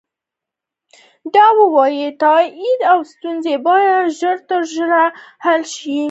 د واورئ تائیدو ستونزه باید ژر تر ژره حل شي.